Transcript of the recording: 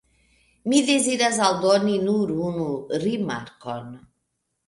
Mi deziras aldoni nur unu rimarkon.